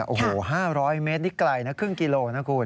โอ้โห๕๐๐เมตรนี่ไกลนะครึ่งกิโลนะคุณ